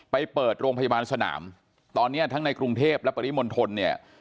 ไปเปิดโรงพยาบาลสนามตอนนี้ทั้งในกรุงเทพและปริมณฑลเนี่ย